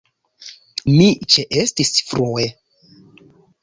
Mi ĉeestis frue.